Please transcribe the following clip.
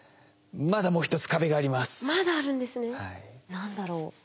何だろう？